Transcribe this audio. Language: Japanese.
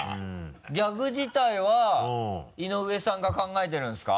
ギャグ自体は井上さんが考えてるんですか？